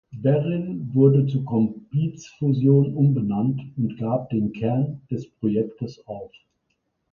Beryl wurde zu Compiz Fusion umbenannt und gab den Kern des Projektes auf.